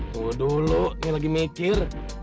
tuh dulu yang lagi mikir